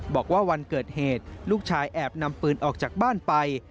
บอกว่าวันเกิดเหตุลูกชายแอบนำปืนออกจากบ้านไป